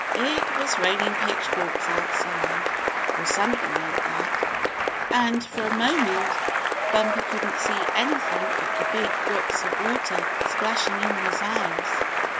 It was raining pitchforks outside, or something like that, and, for a moment, Bumper couldn't see anything but the big drops of water splashing in his eyes.